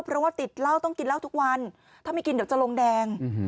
เพราะว่าติดเหล้าต้องกินเหล้าทุกวันถ้าไม่กินเดี๋ยวจะลงแดง